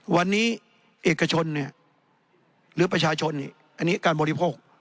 วันนี้เอกชนเนี่ยหรือประชาชนอันนี้การบริโภค